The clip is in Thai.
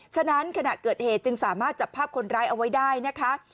ฉะนั้นขณะเกิดเหตุจึงสามารถจับภาพคนร้ายเอาไว้ได้นะคะ